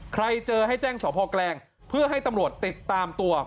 ใครเจอให้แจ้งสพแกลงเพื่อให้ตำรวจติดตามตัว